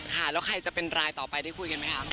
ค่ะแล้วใครจะเป็นรายต่อไปได้คุยกันไหมคะ